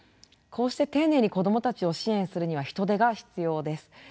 こうして丁寧に子どもたちを支援するには人手が必要です。